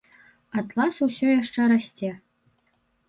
Атлас усё яшчэ расце.